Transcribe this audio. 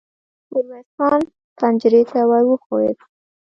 ميرويس خان پنجرې ته ور وښويېد.